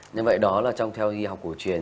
như vậy đó là trong theo y học cổ truyền